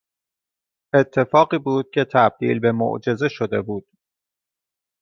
اتفاقی بود که تبدیل به معجزه شده بود